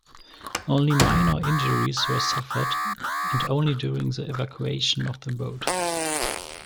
Only minor injuries were suffered and only during the evacuation of the boat.